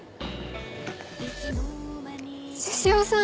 ・獅子王さん。